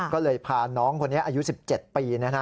ก็เลยพาน้องคนนี้อายุ๑๗ปีนะฮะ